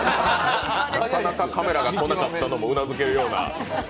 なかなかカメラが来なかったのもうなずけるような。